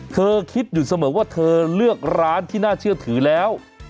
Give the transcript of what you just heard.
เธอคิดอยู่เสมอว่าเธอเลือกร้านที่น่าเชื่อถือแล้ว